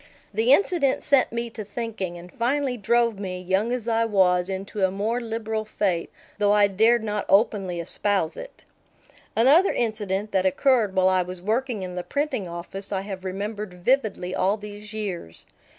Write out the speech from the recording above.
The incident set me to thinking, and finally drove me, young as I was, into a more liberal faith, though I dared not openly espouse it. Another incident that occurred while I was working in the printing office I have remembered vividly all these years.